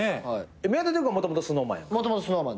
宮舘君はもともとＳｎｏｗＭａｎやんか。